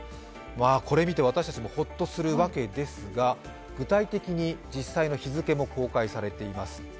これを見て私たちもほっとするわけですが、具体的に実際の日付も公開されています。